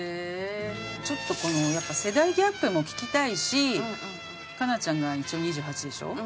ちょっとこのやっぱ世代ギャップも聞きたいし佳菜ちゃんが一応２８でしょ？